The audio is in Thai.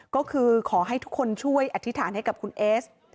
ก็คือขอให้ทุกคนช่วยอธิษฐานให้กับคุณเอส